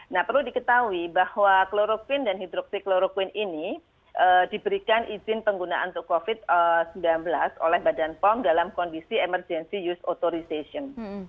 nah perlu diketahui bahwa kloroquine dan hidroksikloroquine ini diberikan izin penggunaan untuk covid sembilan belas oleh badan pom dalam kondisi emergency use authorization